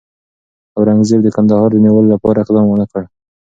اورنګزېب د کندهار د نیولو لپاره اقدام ونه کړ.